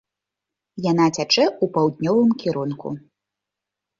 Яна цячэ ў паўднёвым кірунку.